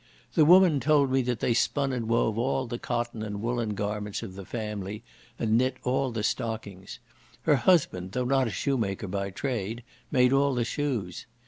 The woman told me that they spun and wove all the cotton and woolen garments of the family, and knit all the stockings; her husband, though not a shoe maker by trade, made all the shoes.